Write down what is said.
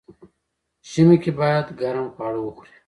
ژمی کی باید ګرم خواړه وخوري.